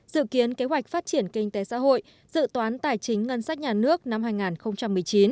dự kiến kế hoạch phát triển kinh tế xã hội dự toán tài chính ngân sách nhà nước năm hai nghìn một mươi chín